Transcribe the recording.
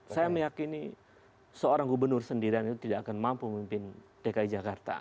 saya meyakini seorang gubernur sendirian itu tidak akan mampu memimpin dki jakarta